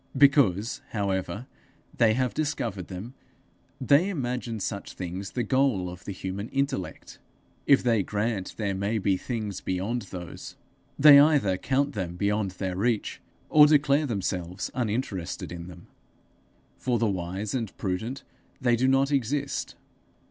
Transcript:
Because, however, they have discovered them, they imagine such things the goal of the human intellect. If they grant there may be things beyond those, they either count them beyond their reach, or declare themselves uninterested in them: for the wise and prudent, they do not exist.